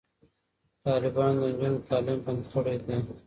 طالبانو د نجونو تعلیم بند کړی دی.